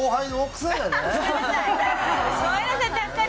はい。